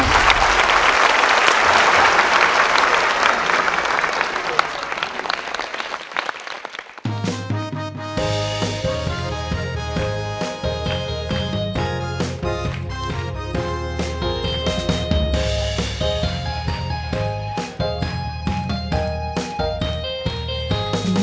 ทั้งในเรื่องของการทำงานเคยทำนานแล้วเกิดปัญหาน้อย